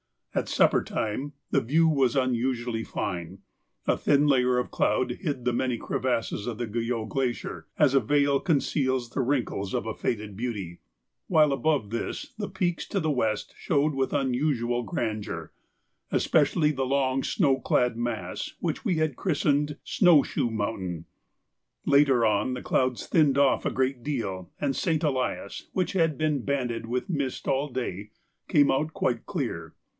At supper time the view was unusually fine; a thin layer of cloud hid the many crevasses of the Guyot Glacier, as a veil conceals the wrinkles of a faded beauty, while above this the peaks to the west showed with unusual grandeur, especially the long snow clad mass which we had christened Snowshoe Mountain. Later on the clouds thinned off a great deal, and St. Elias, which had been banded with mist all day, came out quite clear.